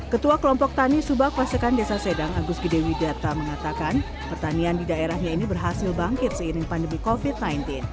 ketua kelompok tani subak pasekan desa sedang agus gedewidata mengatakan pertanian di daerahnya ini berhasil bangkit seiring pandemi covid sembilan belas